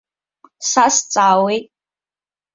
Са сҵаауеит?